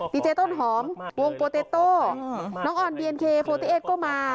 ดิเจต้นหอมวงโปรเตโตน้องอ่อนบีเอ็นเคโปรเตเอสก็มา